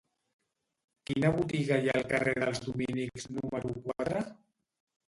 Quina botiga hi ha al carrer dels Dominics número quatre?